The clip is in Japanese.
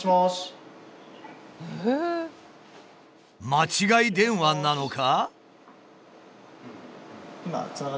間違い電話なのか？